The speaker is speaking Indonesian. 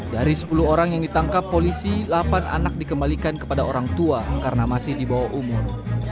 dari sepuluh orang yang ditangkap polisi delapan anak dikembalikan kepada orang tua karena masih di bawah umur